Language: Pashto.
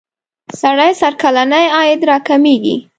سړي سر کلنی عاید را کمیږی.